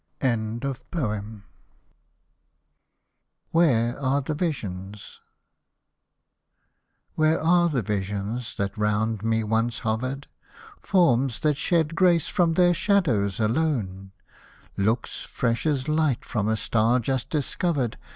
WHERE ARE THE VISIONS " Where are the visions that round me once hovered, Forms that shed grace from their shadows alone ; Looks fresh as light from a star just discovered.